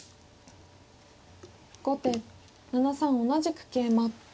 後手７三同じく桂馬。